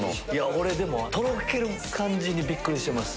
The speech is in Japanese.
俺とろける感じにびっくりしてます